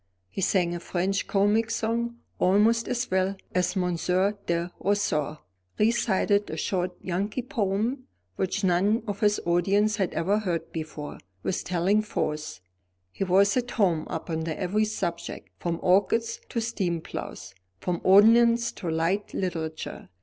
He sang a French comic song almost as well as Monsieur de Roseau, recited a short Yankee poem, which none of his audience had ever heard before, with telling force. He was at home upon every subject, from orchids to steam ploughs, from ordnance to light literature.